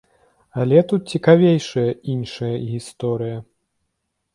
Але тут цікавейшая іншая гісторыя.